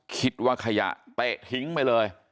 คิดว่าขยะแตะทิ้งไปเลย